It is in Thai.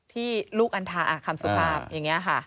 ที่ลูกอันทาคำสุภาพอย่างนี้ค่ะ